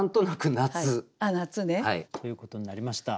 あっ夏ね。ということになりました。